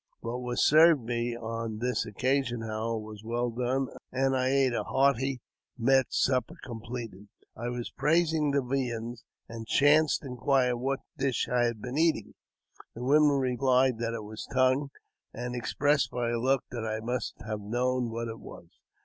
What was served me on tl occasion, however, was well done, and I ate a hearty met Supper completed, I was praising the viands, and chanced inquire what dish I had been eating. The woman replied th£ it was tongue, and expressed by her looks that I must ha^ known what it was.